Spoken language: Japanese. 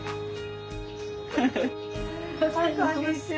こんにちは。